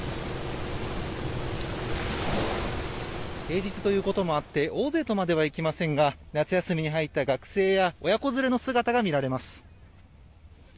平日ということもあって大勢とまではいきませんが夏休みに入った学生や親子連れの姿が見られます。